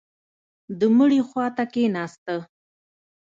د مړي خوا ته کښېناسته.